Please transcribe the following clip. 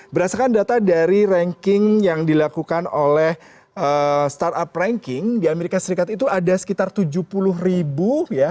berdasarkan data dari ranking yang dilakukan oleh startup ranking di amerika serikat itu ada sekitar tujuh puluh ribu ya